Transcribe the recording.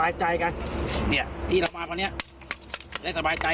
อันนี้มันเป็นเรือประคับต่อเนี่ย